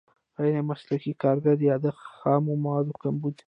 غیر مسلکي کارګر یا د خامو موادو کمبود.